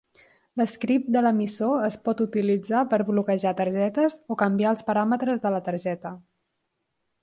L'script de l'emissor es pot utilitzar per bloquejar targetes o canviar els paràmetres de la targeta.